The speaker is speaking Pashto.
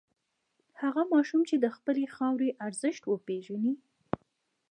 هغه ماشوم چې د خپلې خاورې ارزښت وپېژني.